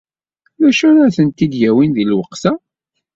D acu ara tent-id-yawin deg lweqt-a?